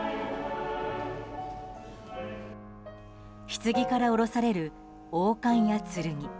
ひつぎから降ろされる王冠や剣。